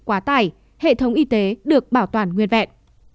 quả tài hệ thống y tế được bảo toàn nguyên vẹn